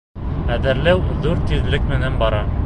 Эҙәрләү ҙур тиҙлек менән бара.